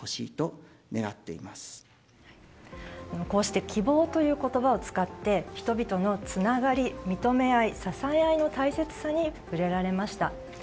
こうして希望という言葉を使って人々のつながり認め合い、支え合いの大切さに触れられました。